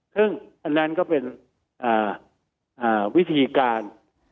ซึ่งอันนั้นก็เป็นวิธีการ